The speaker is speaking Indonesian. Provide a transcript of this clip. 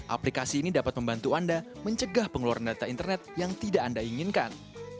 aplikasi ini dapat membantu anda mencegah pengeluaran data internet yang tidak anda inginkan